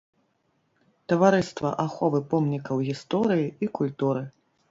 Таварыства аховы помнікаў гісторыі і культуры.